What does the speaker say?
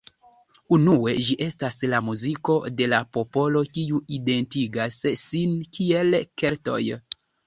Unue, ĝi estas la muziko de la popolo kiu identigas sin kiel Keltoj.